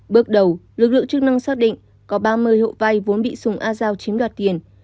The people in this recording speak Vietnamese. bước đầu lực lượng chức năng xác định có ba mươi hộ vay vốn bị sùng a giao chiếm đoạt tiền